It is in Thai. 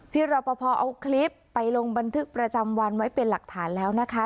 พี่รอปภเอาคลิปไปลงบันทึกประจำวันไว้เป็นหลักฐานแล้วนะคะ